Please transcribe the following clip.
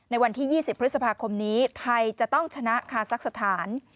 วันที่๒๐พฤษภาคมนี้ไทยจะต้องชนะคาซักสถาน